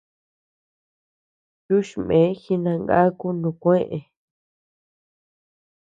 Yuchme jinangaku nukuee.